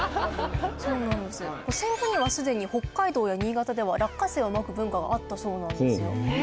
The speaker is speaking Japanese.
戦後にはすでに北海道や新潟では落花生をまく文化があったそうなんですよ。